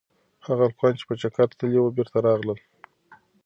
هغه هلکان چې په چکر تللي وو بېرته راغلل.